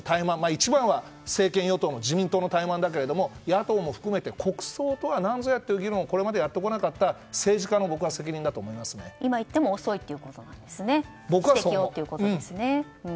一番は政権与党の自民党の怠慢だけれども野党も含めて国葬とは何ぞや？っていう議論をこれまでやってこなかった今、指摘を言っても僕は、そう思います。